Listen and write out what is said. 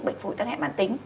bệnh phối tăng hẹn bản tính